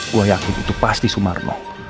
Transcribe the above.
gue yakin itu pasti sumarno